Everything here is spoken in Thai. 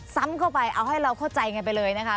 ซ้ำเข้าไปเอาให้เราเข้าใจกันไปเลยนะคะ